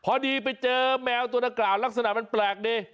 พอดีไปเจอแมวตัวนะครัวลักษณะมันแปลก